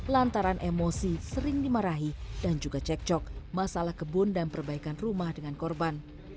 lantaran emosi sering dimarahi dan juga cekcok masalah kebun dan perbaikan rumah dengan korban